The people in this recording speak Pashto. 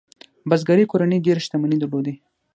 بزګري کورنۍ ډېرې شتمنۍ درلودې.